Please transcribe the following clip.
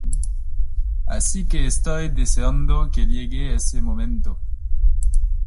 Así que estoy deseando que llegue ese momento.